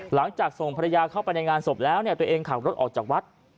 หลังจากส่งภรรยาเข้าไปในงานศพแล้วตัวเองขับรถออกจากวัด